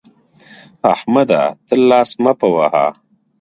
احمده! ته لاس مه په وهه.